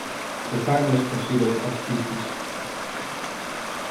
The time was considered auspicious.